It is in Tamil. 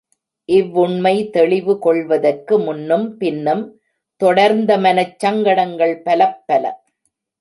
இவ்வுண்மை தெளிவு கொள்வதற்கு முன்னும் பின்னும் தொடர்ந்த மனச் சங்கடங்கள் பலப்பல!